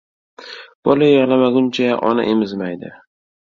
• Bola yig‘lamaguncha, ona emizmaydi.